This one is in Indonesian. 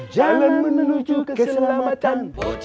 jangan menuju keselamatan